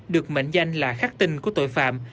được mệnh danh là khắc tinh của tội phạm